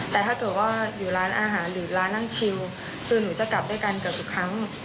แต่ถ้าเกิดว่าอยู่ร้านอาหารหรือร้านนั่งชิวคือหนูจะกลับด้วยกันเกือบทุกครั้ง